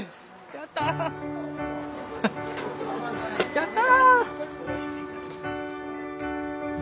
やった！